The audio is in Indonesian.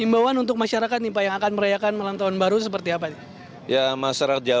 bagaimana dengan kota bandung